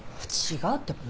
違うってば。